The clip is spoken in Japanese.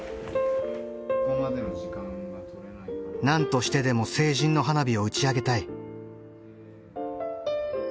何としてでも成人の花火を打ち上げたい。